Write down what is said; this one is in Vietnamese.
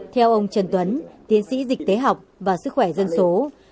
theo ông trần tuấn tiến sĩ dịch tế học và sức khỏe dân số